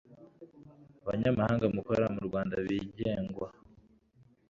banyamahanga bakorera mu rwanda bigengwa